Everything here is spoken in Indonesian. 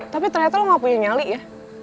tapi ternyata lo gak punya nyali ya